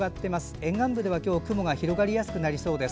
沿岸部では今日雲が広がりやすくなりそうです。